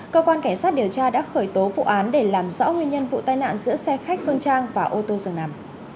cơ quan cảnh sát điều tra đã khởi tố vụ án để làm rõ nguyên nhân vụ tai nạn giữa xe khách phương trang và ô tô dừng nằm